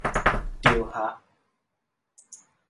ดีลฮะ